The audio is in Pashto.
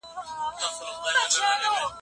زه له سهار راهیسې د برېښنا کار کوم.